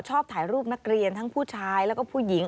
ชอบถ่ายรูปนักเรียนทั้งผู้ชายแล้วก็ผู้หญิง